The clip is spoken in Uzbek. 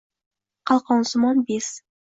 qalqonsimon bez;